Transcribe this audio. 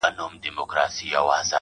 • وخت نا وخته د خپل حق کوي پوښتنه -